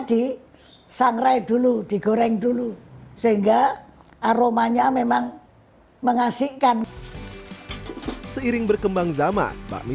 disangrai dulu digoreng dulu sehingga aromanya memang mengasihkan seiring berkembang zaman bakmi